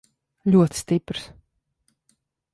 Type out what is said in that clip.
Ļoti stiprs.